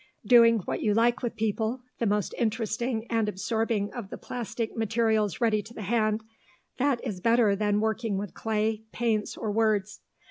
Doing what you like with people, the most interesting and absorbing of the plastic materials ready to the hand that is better than working with clay, paints, or words.